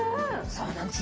そうなんです。